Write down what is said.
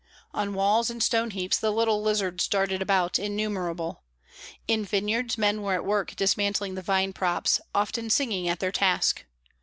On walls and stone heaps the little lizards darted about, innumerable; in vineyards men were at work dismantling the vine props, often singing at their task.